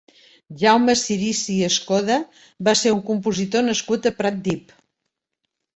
Jaume Sirisi i Escoda va ser un compositor nascut a Pratdip.